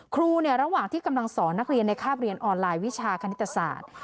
ระหว่างที่กำลังสอนนักเรียนในคาบเรียนออนไลน์วิชาคณิตศาสตร์